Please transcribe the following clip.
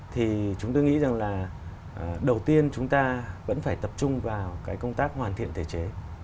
thì chúng tôi nghĩ rằng là đầu tiên chúng ta vẫn phải tập trung vào cái công tác hoàn thiện thể chế